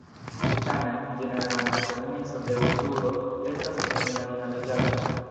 Tamen, ĝenerala malpermeso de uzuro restas en la nuna leĝaro.